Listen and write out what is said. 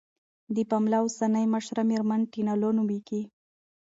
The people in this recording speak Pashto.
د پملا اوسنۍ مشره میرمن ټینا لو نوميږي.